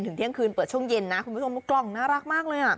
ถึงเที่ยงคืนเปิดช่วงเย็นนะ